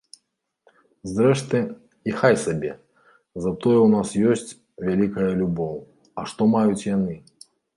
Зрэшты, і хай сабе, затое ў нас ёсць вялікая любоў, а што маюць яны?